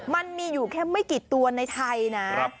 มันมีอยู่แค่ไม่กี่ตัวในไทยนะ